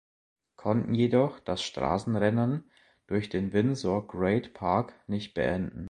Konnte jedoch das Straßenrennen durch den Windsor Great Park nicht beenden.